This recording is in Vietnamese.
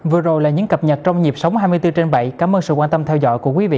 vừa rồi là những cập nhật trong nhịp sống hai mươi bốn trên bảy cảm ơn sự quan tâm theo dõi của quý vị